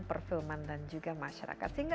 perfilman dan juga masyarakat sehingga